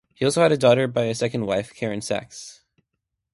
He also had a daughter by his second wife Keren Saks.